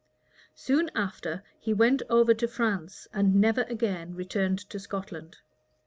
Soon after, he went over to France, and never again returned to Scotland.